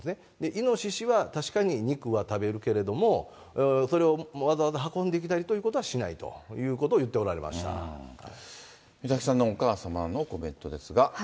イノシシは確かに肉は食べるけれども、それをわざわざ運んできたりということはしないということを言っ美咲さんのお母様のコメントですが。